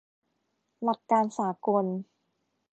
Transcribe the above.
หลักการสากล